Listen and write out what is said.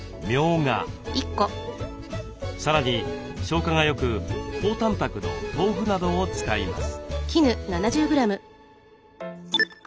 さらに消化がよく高たんぱくの豆腐などを使います。